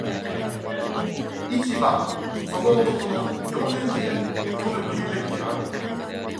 一葉は、その男の、幼年時代、とでも言うべきであろうか